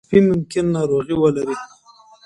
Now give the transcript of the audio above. سپي ممکن ناروغي ولري.